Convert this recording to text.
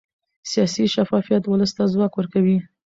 سیاسي شفافیت ولس ته ځواک ورکوي